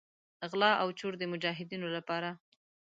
غلا او چور د مجاهدینو لپاره.